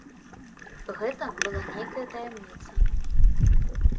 Гэта была нейкая таямніца.